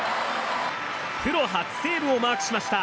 プロ初セーブをマークしました。